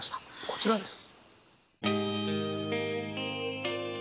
こちらです。